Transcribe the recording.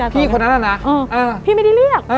พี่ไม่ได้เรียก